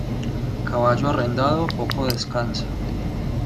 Caballo arrendado, poco descansa.